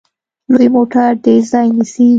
لوی موټر ډیر ځای نیسي.